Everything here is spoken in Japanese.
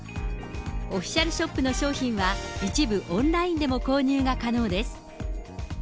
オフィシャルショップの商品は一部オンラインでも購入が可能です。